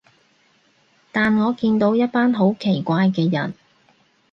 但我見到一班好奇怪嘅人